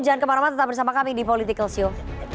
jangan kemarau marau tetap bersama kami di politikalshow